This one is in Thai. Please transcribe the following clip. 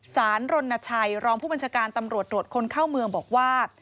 รณชัยรองผู้บัญชาการตำรวจตรวจคนเข้าเมืองบอกว่า